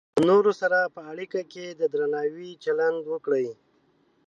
له نورو سره په اړیکه کې د درناوي چلند وکړئ.